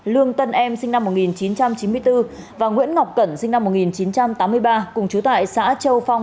lương tân em sinh năm một nghìn chín trăm chín mươi bốn và nguyễn ngọc cẩn sinh năm một nghìn chín trăm tám mươi ba cùng chú tại xã châu phong